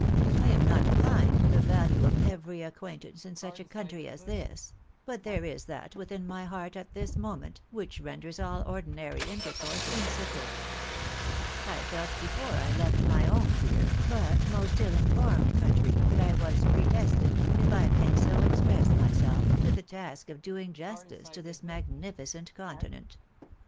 I am not bhnd to the value of every acquain tance in such a country as this ; but there is that within my heart at this moment, which renders all ordinary intercourse insipid ; I felt before I left my own dear, but most ill informed country, that I was predestined, if I may so express myself, to the task of doing justice to this magnificent continent.